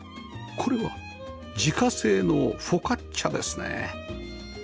これは自家製のフォカッチャですね